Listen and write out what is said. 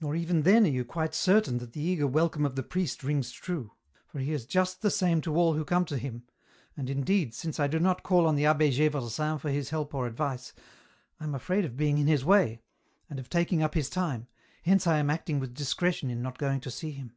Nor even then are you quite certain that the eager welcome of the priest rings true, for he is just the same to all who come to him, and indeed, since I do not call on the Abb^ Gdvresin for his help or advice, I am afraid of being in his way, and of taking up his time, hence I am acting with discretion in not going to see him.